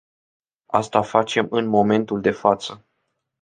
Asta facem în momentul de față.